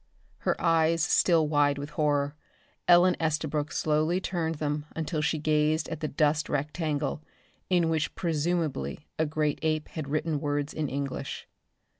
Her eyes still wide with horror. Ellen Estabrook slowly turned them until she gazed at the dust rectangle in which presumably a great ape had written words in English.